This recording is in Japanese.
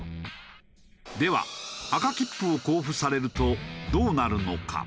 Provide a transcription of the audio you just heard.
では赤切符を交付されるとどうなるのか？